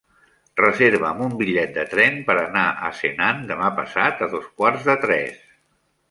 Reserva'm un bitllet de tren per anar a Senan demà passat a dos quarts de tres.